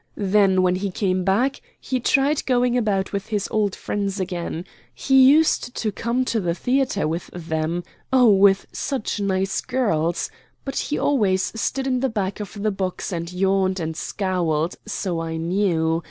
Then when he came back, he tried going about with his old friends again. He used to come to the theatre with them oh, with such nice girls but he always stood in the back of the box and yawned and scowled so I knew.